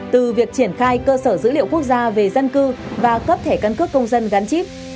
từ việc triển khai cơ sở dữ liệu quốc gia về dân cư và cấp thẻ căn cước công dân gắn chip